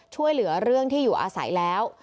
ช่วยเหลือเรื่องที่อยู่อาศัยแล้ว